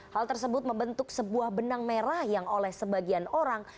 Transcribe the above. hal tersebut membentuk sebuah benang merah yang oleh sebagian orang